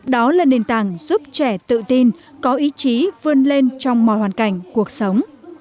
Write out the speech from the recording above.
đó là nền tảng giúp trẻ tự tin có ý chí vươn lên trong mọi hoàn cảnh cuộc sống